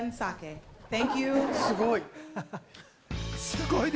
すごい！